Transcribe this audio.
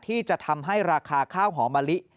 ที่จะทำให้ราคาข้าวหอมะลิ